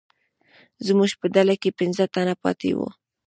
زموږ په ډله کې پنځه تنه پاتې وو.